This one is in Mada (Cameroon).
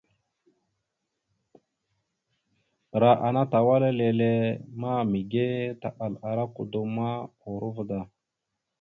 Ɓəra ana tawala lele ma, mige taɓal ara kudom ma, urova da.